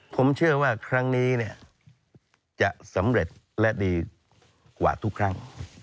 ผมเชื่อว่าครั้งนี้จะสำเร็จและดีกว่าทุกครั้ง